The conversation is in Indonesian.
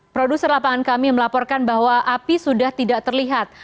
produser lapangan kami melaporkan bahwa api sudah tidak terlihat